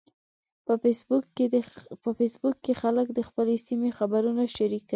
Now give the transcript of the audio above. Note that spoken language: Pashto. په فېسبوک کې خلک د خپلې سیمې خبرونه شریکوي